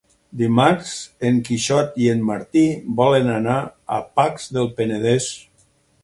Dimarts en Quixot i en Martí volen anar a Pacs del Penedès.